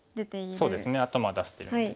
そうですね頭出してるんで。